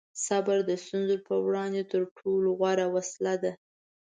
صبر د ستونزو په وړاندې تر ټولو غوره وسله ده.